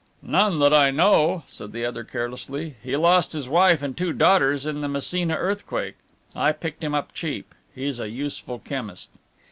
"None that I know," said the other carelessly; "he lost his wife and two daughters in the Messina earthquake. I picked him up cheap. He's a useful chemist."